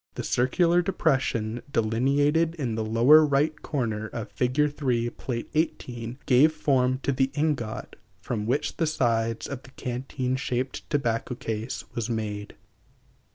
The circular depression, delineated in the lower right corner of Fig. 3, Pl. XVIII, gave form to the ingot from which the sides of the canteen shaped tobacco case (Fig. 6) was made.